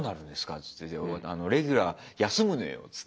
っつって「レギュラー休むのよ」っつって。